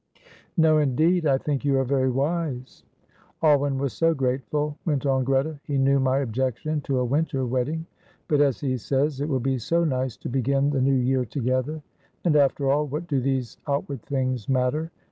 "No, indeed. I think you are very wise." "Alwyn was so grateful," went on Greta; "he knew my objection to a winter wedding; but, as he says, it will be so nice to begin the new year together; and, after all, what do these outward things matter?